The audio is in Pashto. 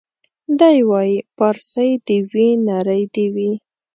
دی وايي پارسۍ دي وي نرۍ دي وي